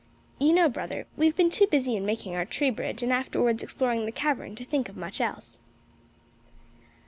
You know, brother, we have been too busy in making our tree bridge, and afterwards exploring the cavern, to think of much else."